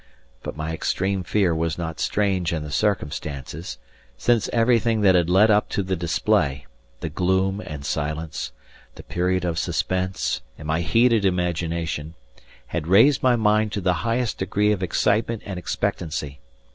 But my extreme fear was not strange in the circumstances; since everything that had led up to the display the gloom and silence, the period of suspense, and my heated imagination had raised my mind to the highest degree of excitement and expectancy.